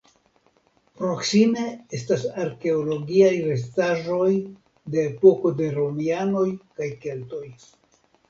Proksime estas arkeologiaj restaĵoj de epoko de romianoj kaj keltoj.